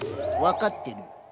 分かってるよ。